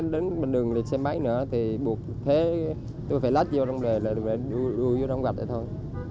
đến đường lịch xe máy nữa thì buộc thế tôi phải lách vô đống gạch để thôi